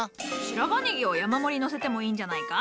白髪ネギを山盛りのせてもいいんじゃないか？